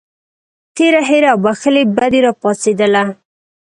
تېره هیره او بښلې بدي راپاڅېدله.